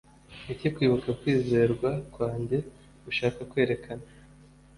niki kwibuka kwizerwa kwanjye gushaka kwerekana